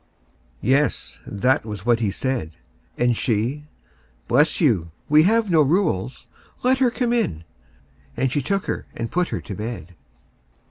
Yes! that was what he said. And she: "Bless you; we have no rules. Let her come in." And she took her and put her to bed.